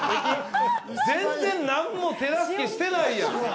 全然何も手助けしてないやん！